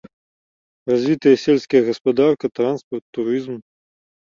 Развітыя сельская гаспадарка, транспарт, турызм.